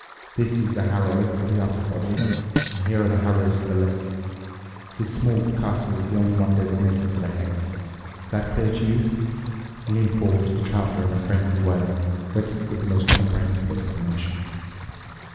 This is the harrow for the upper body, and here are the harrows for the legs. This small cutter is the only one designated for the head. Is that clear to you?" He leaned forward to the Traveler in a friendly way, ready to give the most comprehensive explanation.